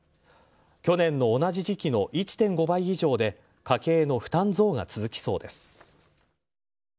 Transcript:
去年の同じ時期の１．５倍以上で家計の負担増が続きそうです。